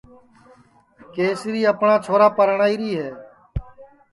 کَسری اپٹؔا چھورا پَرنائیری ہے